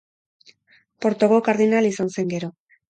Portoko kardinal izan zen gero.